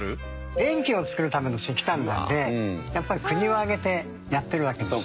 電気をつくるための石炭なのでやっぱり国を挙げてやってるわけです。